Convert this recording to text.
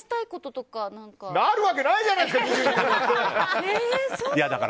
あるわけないじゃないですか！